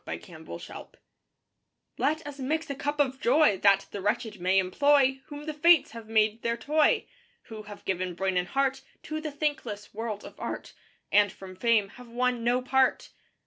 THE CUP OF JOY Let us mix a cup of Joy That the wretched may employ, Whom the Fates have made their toy. Who have given brain and heart To the thankless world of Art, And from Fame have won no part.